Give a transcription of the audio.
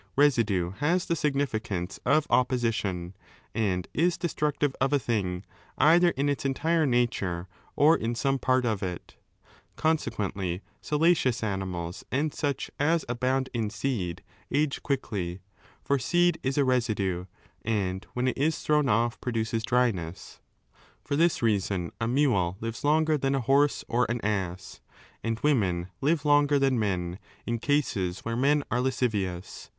Besidue has the significance of opposition and is destructive of a thing either in its entire nature or in some part of it Consequently, salacious animals and such as abound in seed age quickly. For seed is a residue and when it is thrown off produces dryness. For 6 this reason a mule lives longer than a horse or an ass, and women live longer than men, in cases where men are lascivious.